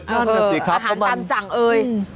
นั่นก็สิครับอาหารตำจังเอ่ย